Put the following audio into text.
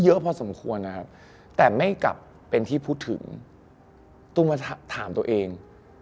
เยอะพอสมควรนะครับแต่ไม่กลับเป็นที่พูดถึงตุ้มมาถามตัวเอง